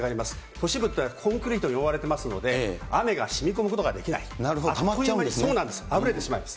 都市部というのはコンクリートに覆われていますので、なるほど、たまっちゃうんであっという間にあふれてしまいます。